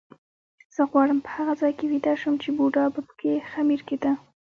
زه غواړم په هغه ځای کې ویده شم چې بوډا به پکې خمیر کېده.